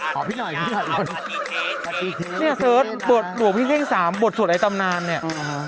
เนี่ยเซิร์ทหัวพิเภก๓บทสวดไอตำนานเนี่ย